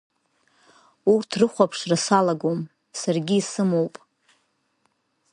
Урҭ рыхәаԥшра салагом, саргьы исымоуп.